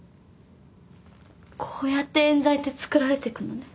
こうやって冤罪ってつくられてくのね？